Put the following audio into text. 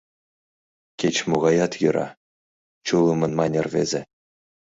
— Кеч-могаят йӧра, — чулымын мане рвезе.